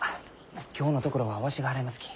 今日のところはわしが払いますき。